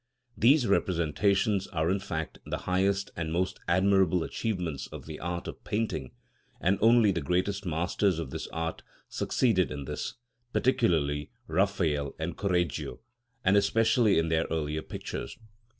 These representations are in fact the highest and most admirable achievements of the art of painting; and only the greatest masters of this art succeeded in this, particularly Raphael and Correggio, and especially in their earlier pictures.